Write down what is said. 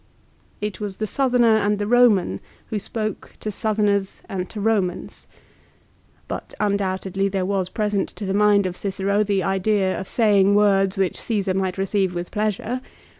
It was the Southerner and the Eoman who spoke to Southerners and to Romans. But, undoubtedly, there was present to the mind of Cicero the idea of saying words which Caesar might receive with pleasure.